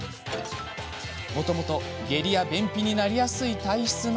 もともと下痢や便秘になりやすい体質なのか。